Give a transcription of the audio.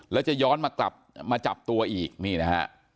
แล้วจะย้อนมาจับตัวอีกนี่ฮะ